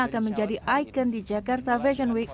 akan menjadi ikon di jakarta fashion week